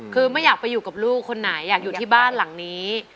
คือไม่อยากไปอยู่กับลูกคนไหนอยากอยู่ที่บ้านหลังนี้